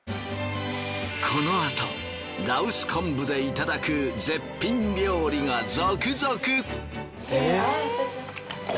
このあと羅臼昆布でいただく絶品料理が続々！